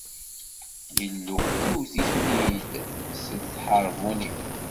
Illu iwt-iten-id s tḥerbunin.